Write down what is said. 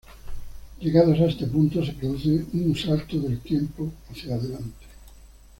Llegados a este punto, se produce un salto de tiempo hacia delante.